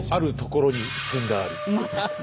まさに。